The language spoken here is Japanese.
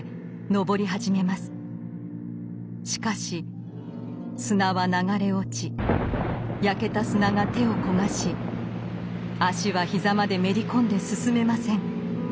しかし砂は流れ落ち焼けた砂が手を焦がし足は膝までめり込んで進めません。